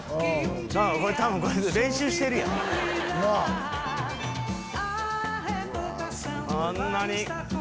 あんなに。